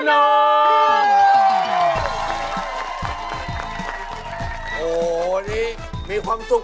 มันไม่ใช่รถตุ๊ก